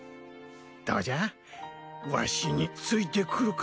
どうじゃわしについてくるか？